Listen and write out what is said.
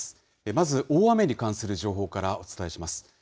まず、大雨に関する情報からお伝えします。